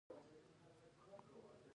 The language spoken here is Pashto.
تعلیم نجونو ته د مرستې کولو روحیه ورکوي.